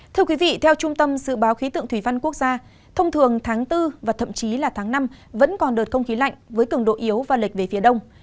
thưa quý vị theo trung tâm dự báo khí tượng thủy văn quốc gia thông thường tháng bốn và thậm chí là tháng năm vẫn còn đợt không khí lạnh với cường độ yếu và lệch về phía đông